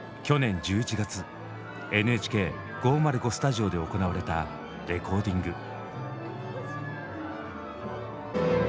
去年１１月ＮＨＫ５０５スタジオで行われたレコーディング。